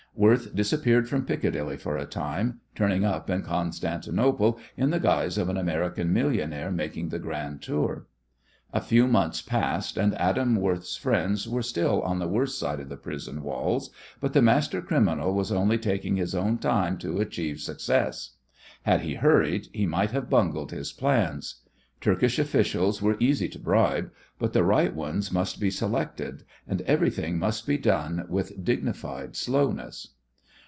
Worth disappeared from Piccadilly for a time, turning up in Constantinople in the guise of an American millionaire making the grand tour. A few months passed, and Adam Worth's friends were still on the worse side of the prison walls, but the master criminal was only taking his own time to achieve success. Had he hurried he might have bungled his plans. Turkish officials are easy to bribe, but the right ones must be selected, and everything must be done with dignified slowness.